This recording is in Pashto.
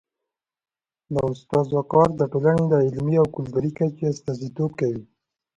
د استاد وقار د ټولني د علمي او کلتوري کچي استازیتوب کوي.